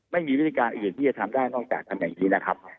ไม่มีวิธีการอื่นที่จะทำได้นอกจากทำอย่างนี้นะครับ